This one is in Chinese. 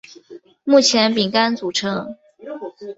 目前饼干组成。